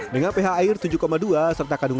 dengan ph air tujuh dua serta kandungan klorin dan kaporit